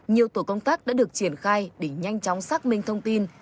nhiều tổ công tác đã được triển khai để nhanh chóng xác minh thông tin